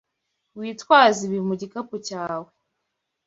Witwaze ibi mu gikapu cyawe.